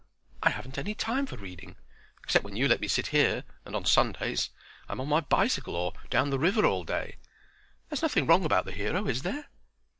"I haven't any time for reading, except when you let me sit here, and on Sundays I'm on my bicycle or down the river all day. There's nothing wrong about the hero, is there?"